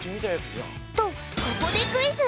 とここでクイズ！